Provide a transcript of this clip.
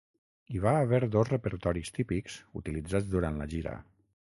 Hi va haver dos repertoris típics utilitzats durant la gira.